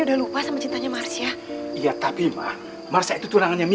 ya udah nanti gak mau ganggu